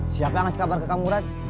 siapa yang ngasih kabar ke kak murad